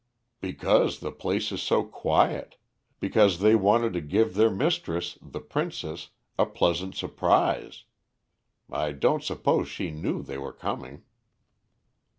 "Because the place is so quiet. Because they wanted to give their mistress, the princess, a pleasant surprise. I don't suppose she knew they were coming."